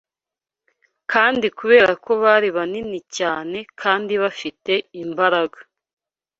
Kandi kubera ko bari banini cyane kandi bafite imbaraga